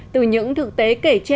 từ những thực tế kể trên